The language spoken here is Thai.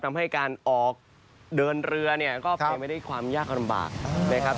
ทำให้การออกเดินเรือเนี่ยก็เป็นไปด้วยความยากลำบากนะครับ